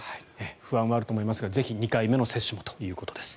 不安はあると思いますがぜひ、２回目の接種もということです。